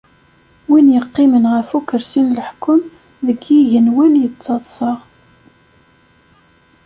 Win yeqqimen ɣef ukersi n leḥkem deg yigenwan ittaḍsa.